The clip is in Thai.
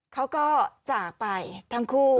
เขาก็จากไปทั้งคู่